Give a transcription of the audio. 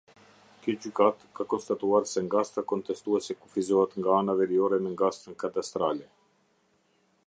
Kjo gjykatë, ka konstatuar se ngastra kontestuese kufizohet nga ana veriore me ngastrën kadastrale.